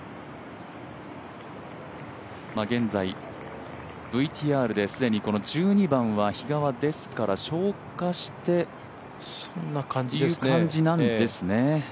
現在、ＶＴＲで既に１２番は比嘉は消化している感じなんですね。